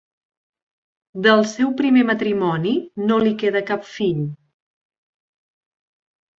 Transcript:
Del seu primer matrimoni no li queda cap fill.